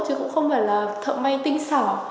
chứ cũng không phải là thợ may tinh xảo